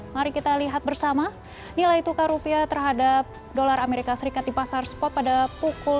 mari kita lihat bersama nilai tukar rupiah terhadap dolar as di pasar spot pada pukul sembilan empat belas